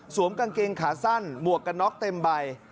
กางเกงขาสั้นหมวกกันน็อกเต็มใบ